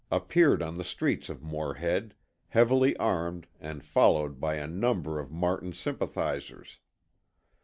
appeared on the streets of Morehead, heavily armed and followed by a number of Martin sympathizers.